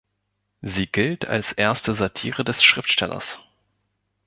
Sie gilt als erste Satire des Schriftstellers.